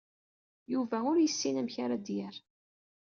Yuba ur yessin amek ara d-yerr.